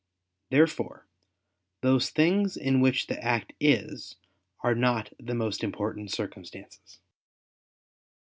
Therefore those things in which the act is are not the most important circumstances.